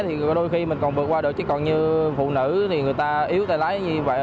thì đôi khi mình còn vượt qua được chứ còn như phụ nữ thì người ta yếu tay lái như vậy